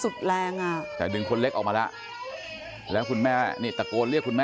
สุดแรงอ่ะแต่ดึงคนเล็กออกมาแล้วแล้วคุณแม่นี่ตะโกนเรียกคุณแม่